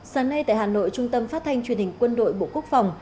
sáng nay tại hà nội trung tâm phát thanh truyền hình quân đội bộ quốc phòng